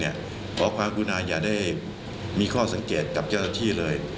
ขอความกุณาอย่าได้มีข้อสังเกตกับเจ้าหน้าที่เลย